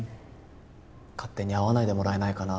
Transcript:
勝手に会わないでもらえないかな？